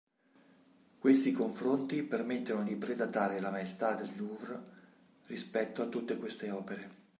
Questi confronti permettono di pre-datare la Maestà del Louvre rispetto a tutte queste opere.